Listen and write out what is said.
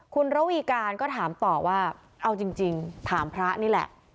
คุณระวีการก็ถามต่อว่าเอาจริงถามพระนี่แหละ